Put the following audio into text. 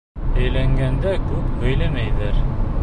Өйләнгәндә күп һөйләмәйҙәр!